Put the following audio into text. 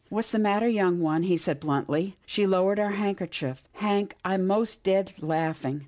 " What's the matter, young one? " he said bluntly. She lowered her handkerchief. Hank, I'm most dead laughing.